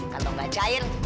kalau gak cair